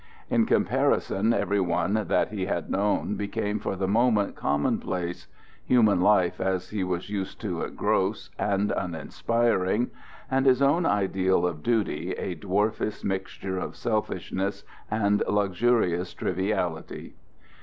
In comparison every one that he had known became for the moment commonplace, human life as he was used to it gross and uninspiring, and his own ideal of duty a dwarfish mixture of selfishness and luxurious triviality.